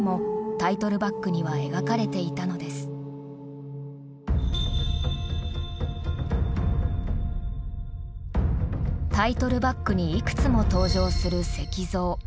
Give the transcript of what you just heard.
タイトルバックにいくつも登場する石像。